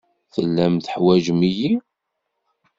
Tellam teḥwajem-iyi.